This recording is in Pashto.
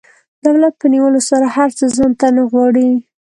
دولت په نیولو سره هر څه ځان ته نه غواړي.